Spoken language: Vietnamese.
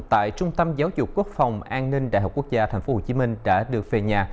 tại trung tâm giáo dục quốc phòng an ninh đại học quốc gia tp hcm đã được về nhà